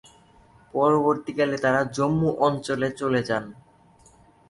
পরবর্তীকালে তারা জম্মু অঞ্চলে চলে যান।